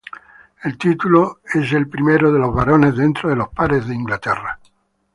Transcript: El título es el primero de los barones dentro de los pares de Inglaterra.